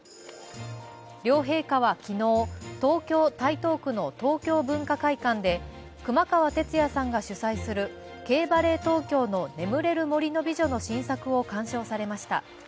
両陛下は昨日、東京・台東区の東京文化会館で、熊川哲也さんが主宰するＫ−ＢＡＬＬＥＴＴＯＫＹＯの「眠れる森の美女」の新作を鑑賞されました。